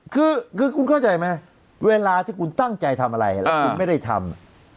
คือคุณเข้าใจไหมเวลาที่คุณตั้งใจทำอะไรแล้วคุณไม่ได้ทำ